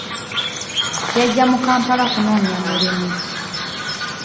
Yajja mu akampala kunoonya mulimu.